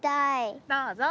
どうぞ。